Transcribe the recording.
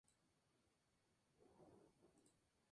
La mayoría de las historietas son de una página.